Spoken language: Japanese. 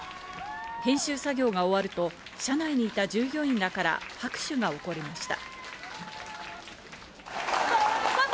編集作業が終わると社内にいた従業員らから拍手が起こりました。